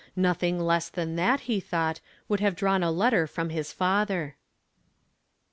Nothin less than that, he thought, woukl have drawn a lettt r from liis fatli. i